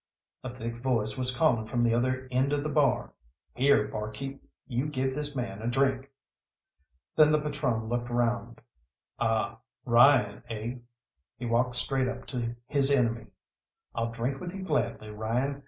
A thick voice was calling from the other end of the bar: "Here, bar keep, you give this man a drink!" Then the patrone looked round. "Ah, Ryan, eh?" He walked straight up to his enemy. "I'll drink with you gladly, Ryan.